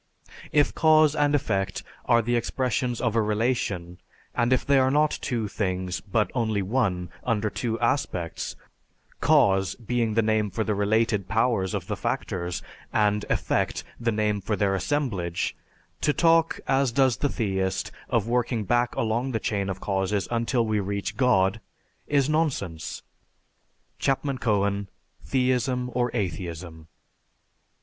If cause and effect are the expressions of a relation, and if they are not two things, but only one, under two aspects, 'cause' being the name for the related powers of the factors, and 'effect' the name for their assemblage, to talk, as does the theist, of working back along the chain of causes until we reach God, is nonsense." (_Chapman Cohen: "Theism or Atheism."